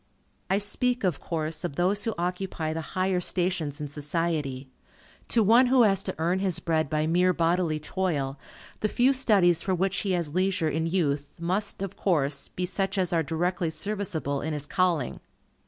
I speak, of course, of those who occupy the higher stations in society. To one who has to earn his bread by mere bodily toil, the few studies for which he has leisure in youth, must, of course, be such as are directly serviceable in his calling.